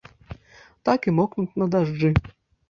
Так і мокнуць на дажджы.